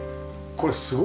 これ！